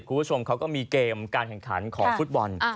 คุณผู้ชมเขาก็มีเกมการแข่งขันของฟุตบอล